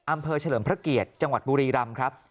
อำเภอเฉลิมพระเกียร์จังหวัดบุรีรำครับ